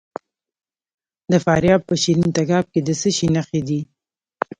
د فاریاب په شیرین تګاب کې د څه شي نښې دي؟